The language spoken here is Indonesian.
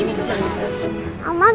ini si ganteng